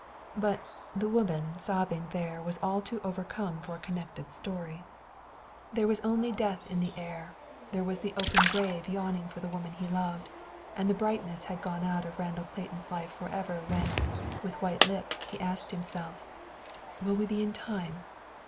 But, the woman sobbing there was all too overcome for a connected story. There was only death in the air there was the open grave yawning for the woman he loved, and the brightness had gone out of Randall Clayton's life forever when, with white lips, he asked himself, "Will we be in time?